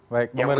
baik bang belia